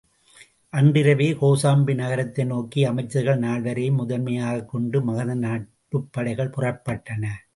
அன்றிரவே கோசாம்பி நகரத்தை நோக்கி அமைச்சர்கள் நால்வரையும் முதன்மையாகக் கொண்டு மகத நாட்டுப் படைகள் புறப்பட்டன.